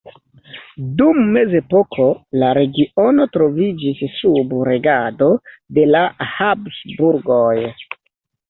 Dum mezepoko la regiono troviĝis sub regado de la Habsburgoj.